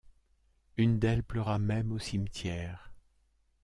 Une d’elles pleura même au cimetière.